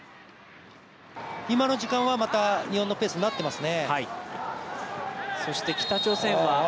今の時間はまた日本のペースになってます。